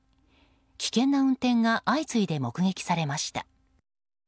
危険な運転が相次いで目撃されました。